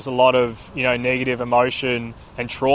saya pikir hanya mempercayai bahwa anda tidak sendirian